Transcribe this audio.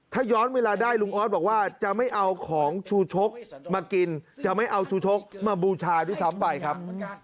ถ้าย้อนเวลาได้ลุงออสบอกว่าจะไม่เอาของชูชกมากินจะไม่เอาชูชกมาบูชาด้วยซ้ำไปครับ